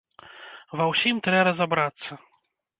Ва ўсім трэ разабрацца.